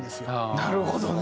なるほどね！